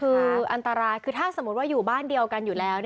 คืออันตรายคือถ้าสมมุติว่าอยู่บ้านเดียวกันอยู่แล้ว